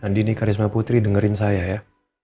nanti nih karisma putri dengerin saya ya